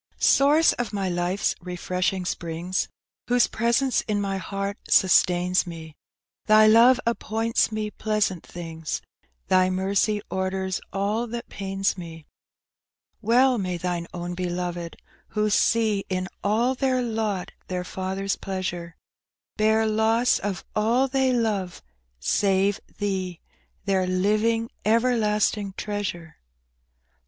Source of my life's refreshing springs, Whose presence in mj heart sustains me, Thy love appoints me pleasant things, Thy mercy orders all that pains me. Well may Thine own beloved, who see In all their lot their Father's pleasure, Bear loss of all they love, save Thee — Their living, everlasting treasure.